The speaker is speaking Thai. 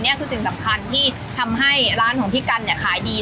นี่คือสิ่งสำคัญที่ทำให้ร้านของพี่กันเนี่ยขายดี